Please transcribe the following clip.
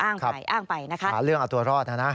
อ้างไปนะคะ